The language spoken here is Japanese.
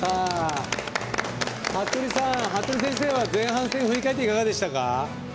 服部先生は前半戦を振り返っていかがでしたか？